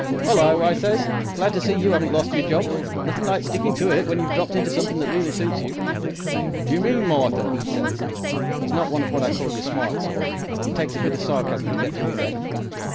"'Ullo,' I says, 'glad to see you 'aven't lost your job. Nothin' like stickin' to it, when you've dropped into somethin' that really suits you.' "'What do you mean, Martha?' 'e says. 'E's not one of what I call your smart sort. It takes a bit of sarcasm to get through 'is 'ead.